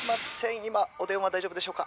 今お電話大丈夫でしょうか？」。